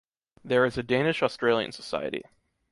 There is a Danish-Australian Society.